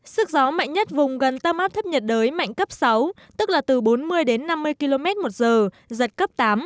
sức gió mạnh nhất vùng gần tâm áp thấp nhiệt đới mạnh cấp sáu tức là từ bốn mươi đến năm mươi km một giờ giật cấp tám